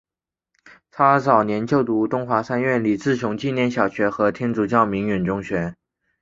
他早年就读东华三院李志雄纪念小学和天主教鸣远中学。